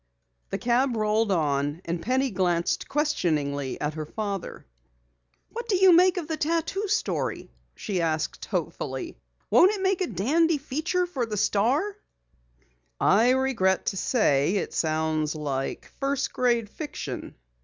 The cab rolled on, and Penny glanced questioningly at her father. "What do you think of the tattoo story?" she asked hopefully. "Won't it make a dandy feature for the Star?" "I regret to say it sounds like first grade fiction."